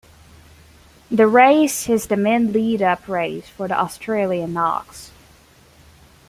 The race is the main lead-up race for the Australian Oaks.